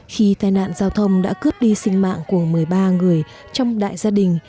khi tai nạn giao thông đã cướp đi sinh mạng của một mươi ba người trong đại gia đình